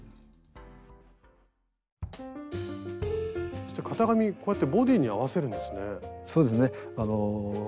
そして型紙こうやってボディーに合わせるんですね。